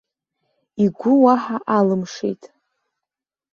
Игәы уаҳа алымшеит.